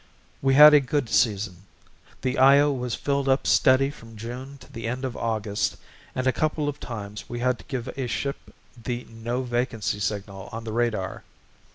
We had a good season. The Io was filled up steady from June to the end of August and a couple of times we had to give a ship the No Vacancy signal on the radar.